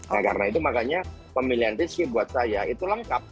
nah karena itu makanya pemilihan rizky buat saya itu lengkap